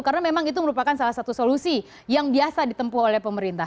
karena memang itu merupakan salah satu solusi yang biasa ditempuh oleh pemerintah